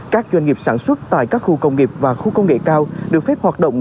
các doanh nghiệp sản xuất tại các khu công nghiệp và khu công nghệ cao được phép hoạt động